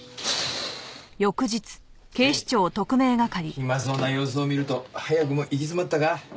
暇そうな様子を見ると早くも行き詰まったか？